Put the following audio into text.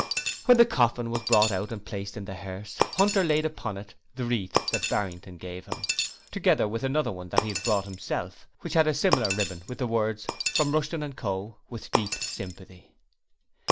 When the coffin was brought out and placed in the hearse, Hunter laid upon it the wreath that Barrington gave him, together with the another he had brought himself, which had a similar ribbon with the words: 'From Rushton & Co. With deep sympathy.'